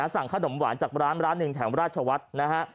สั่งขนมหวานจากร้านร้านหนึ่งแถวราชวัฒน์นะฮะ